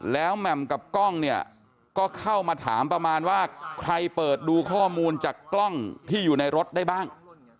แล้วแหม่มกับกล้องเนี่ยก็เข้ามาถามประมาณว่าใครเปิดดูข้อมูลจากกล้องที่อยู่ในรถได้บ้าง